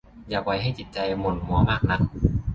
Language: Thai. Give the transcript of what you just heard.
อย่าปล่อยให้จิตใจหม่นมัวมากนัก